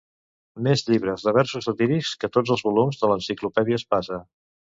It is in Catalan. més llibres de versos satírics que tots els volums de l'enciclopèdia Espasa